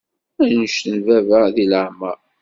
Annect n baba deg leεmer.